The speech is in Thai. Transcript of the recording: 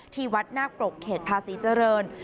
ที่วัดนาคปรกเขตภาษีเจริญ